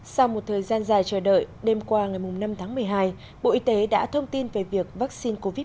sau một thời gian dài chờ đợi đêm qua ngày năm tháng một mươi hai bộ y tế đã thông tin về việc vaccine covid một mươi chín